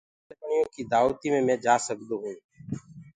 ميرآ ساݪیٻيڻيآن ڪي دآوتي مي مينٚ جآ سگھدونٚ۔